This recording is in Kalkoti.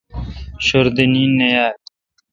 شوردے نین نہ یال۔